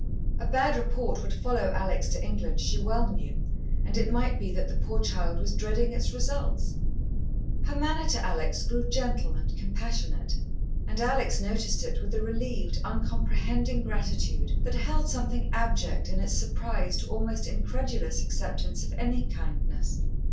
A bad report would follow Alex to England she well knew, and it might be that the poor child was dreading its results. Her manner to Alex grew gentle and compassionate, and Alex noticed it with a relieved, uncomprehending gratitude that held something abject in its surprised, almost incredulous acceptance of any kindness.